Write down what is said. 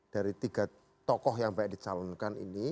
dari tiga tokoh yang baik di calonkan ini